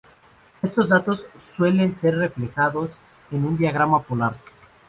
Estos datos suelen ser reflejados en un diagrama polar.